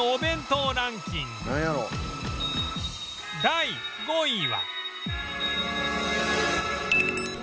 第５位は